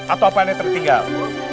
atau apa yang tertinggal